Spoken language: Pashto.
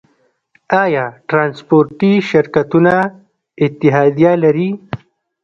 آیا ټرانسپورټي شرکتونه اتحادیه لري؟